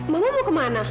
mama mau kemana